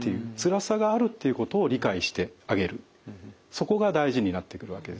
そこが大事になってくるわけです。